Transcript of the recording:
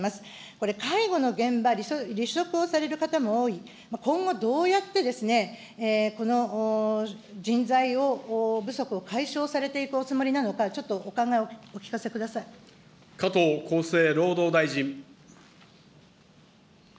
これ、介護の現場、離職をされる方も多い、今後、どうやってこの人材不足を解消されていくおつもりなのか、ちょっ加藤厚生労働大臣。